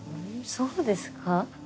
そうですか？